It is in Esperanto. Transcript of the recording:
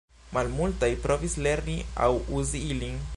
Malmultaj provis lerni aŭ uzi ilin.